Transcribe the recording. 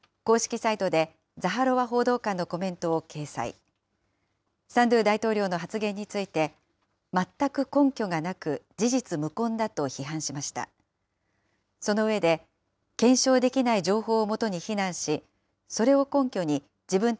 サンドゥ大統領の発言について、全く根拠がなく、事実無根だと批判しました。